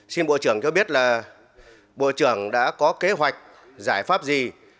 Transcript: xin bộ trưởng cho biết là bộ trưởng đã có kế hoạch giải pháp gì